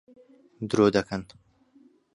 درۆ دەکەن.